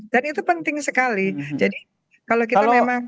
dan itu penting sekali jadi kalau kita memang